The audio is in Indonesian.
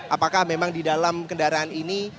apakah memang di dalam kendaraan ini